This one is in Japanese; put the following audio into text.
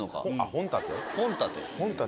本立て。